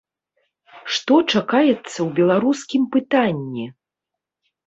Што чакаецца ў беларускім пытанні?